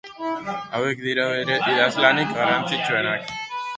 Hauek dira bere idazlanik garrantzitsuenak.